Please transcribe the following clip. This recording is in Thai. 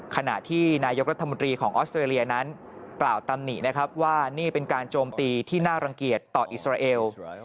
ขณะที่นายกรัฐมนตรีของออสเตรเลียนั้นกล่าวตำหนินะครับว่านี่เป็นการโจมตีที่น่ารังเกียจต่ออิสราเอล